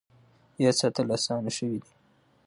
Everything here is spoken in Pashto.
یاد ساتل اسانه شوي دي.